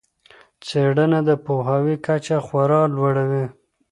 څېړنه د پوهاوي کچه خورا لوړوي.